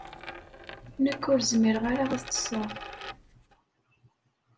Nekk ur zmireɣ ara ad ṭṭseɣ.